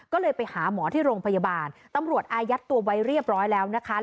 ก็เลยไปหาหมอที่โรงพยาบาลตำรวจอายัดตัวไว้เรียบร้อยแล้วนะคะ